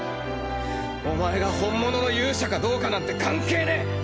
お前が本物の勇者かどうかなんて関係ねえ！